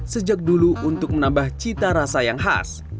sejak dulu untuk menambah cita rasa yang khas